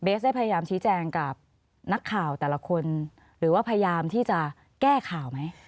ได้พยายามชี้แจงกับนักข่าวแต่ละคนหรือว่าพยายามที่จะแก้ข่าวไหม